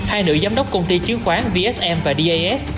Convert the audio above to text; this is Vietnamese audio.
hai nữ giám đốc công ty chứng khoán vsm và das